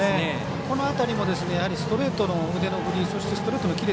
この辺りもストレートの腕の振りそして、ストレートのキレ。